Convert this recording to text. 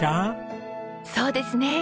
そうですね。